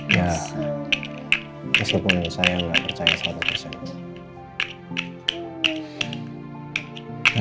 ya meskipun saya gak percaya suatu kesan